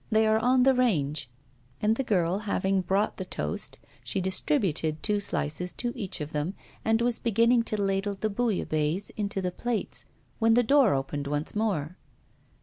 They are on the range.' And the girl having brought the toast, she distributed two slices to each of them, and was beginning to ladle the bouillabaisse into the plates, when the door opened once more.